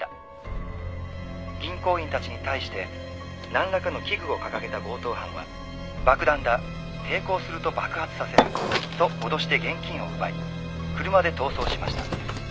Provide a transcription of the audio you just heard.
「銀行員たちに対してなんらかの器具を掲げた強盗犯は“爆弾だ抵抗すると爆発させる”と脅して現金を奪い車で逃走しました」